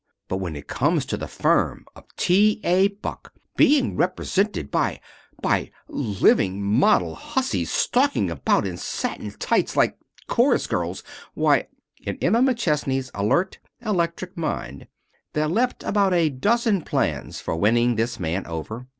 But when it comes to the firm of T. A. Buck being represented by by living model hussies stalking about in satin tights like chorus girls, why " In Emma McChesney's alert, electric mind there leapt about a dozen plans for winning this man over.